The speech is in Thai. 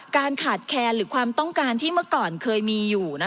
การขาดแคลนหรือความต้องการที่เมื่อก่อนเคยมีอยู่